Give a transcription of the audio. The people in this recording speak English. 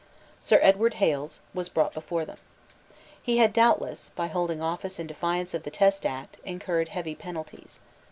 Sir Edward Hales was brought before them. He had doubtless, by holding office in defiance of the Test Act, incurred heavy penalties.